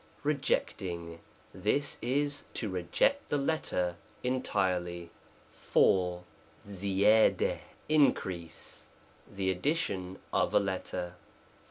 O x c_J3o> rejecting This is to reject the, letter entirely, IV. 5aL3 increase The addition of a letter.